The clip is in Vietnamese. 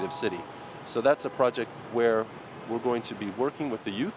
vì vậy chúng ta đã có thể tham gia một kế hoạch